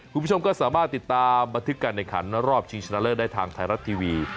คุณผู้ชมก็สามารถติดตามบันทึกการแข่งขันรอบชิงชนะเลิศได้ทางไทยรัฐทีวี